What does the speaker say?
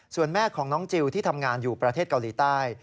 ส่วนแม่ของน้องจิลที่ทำงานอยู่ประเทศเกาหลีใต้